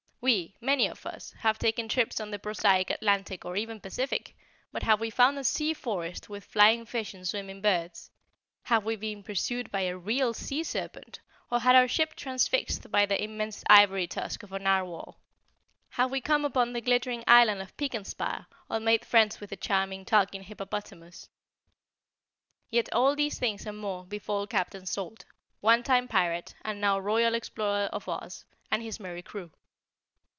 We many of us have taken trips on the prosaic Atlantic or even Pacific, but have we found a SEA FOREST with flying fish and swimming birds? Have we been pursued by a real SEA SERPENT, or had our ship transfixed by the immense ivory tusk of a NARWHAL? Have we come upon the glittering island of PEAKENSPIRE, or made friends with a charming talking hippopotamus? Yet all these things and more befall Captain Salt, one time Pirate and now Royal Explorer of Oz, and his merry crew.